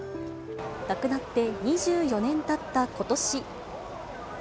亡くなって２４年たったことし。